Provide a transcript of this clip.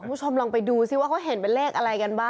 คุณผู้ชมลองไปดูซิว่าเขาเห็นเป็นเลขอะไรกันบ้าง